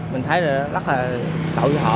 mình thấy rất là tội cho họ